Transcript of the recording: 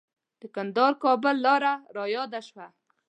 د کندهار-کابل لاره رایاده شوه.